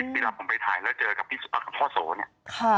เวลาผมไปถ่ายแล้วเจอกับพ่อโสเนี่ย